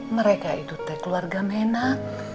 mereka itu keluarga menak